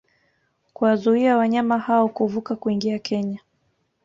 kuwazuia wanyama hao kuvuka kuingia Kenya